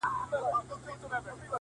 شپه سوه تېره پر اسمان ختلی لمر دی-